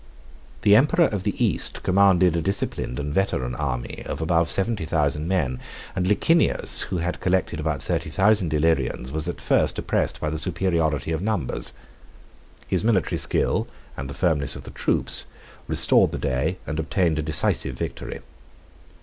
The emperor of the East commanded a disciplined and veteran army of above seventy thousand men; and Licinius, who had collected about thirty thousand Illyrians, was at first oppressed by the superiority of numbers. His military skill, and the firmness of his troops, restored the day, and obtained a decisive victory.